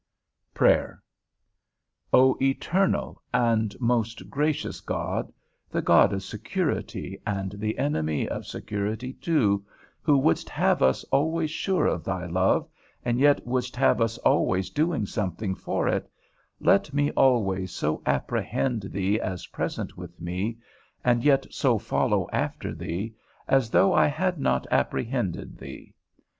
XXII. PRAYER. O eternal and most gracious God, the God of security, and the enemy of security too, who wouldst have us always sure of thy love, and yet wouldst have us always doing something for it, let me always so apprehend thee as present with me, and yet so follow after thee, as though I had not apprehended thee.